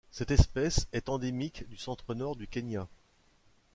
Cette espèce est endémique du centre-Nord du Kenya.